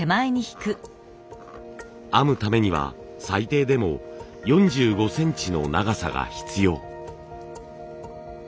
編むためには最低でも４５センチの長さが必要。